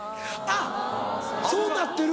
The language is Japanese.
あっそうなってる？